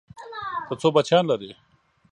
ته څو بچيان لرې؟